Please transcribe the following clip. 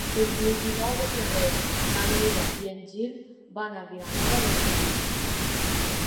El vint-i-nou de febrer na Neida i en Gil van a Vilanova de Bellpuig.